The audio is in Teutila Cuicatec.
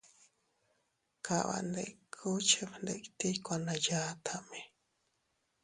Kabandikku chefgnditiy kuana yatame.